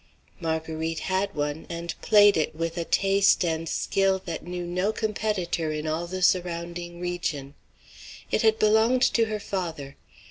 Marguerite had one, and played it with a taste and skill that knew no competitor in all the surrounding region. It had belonged to her father.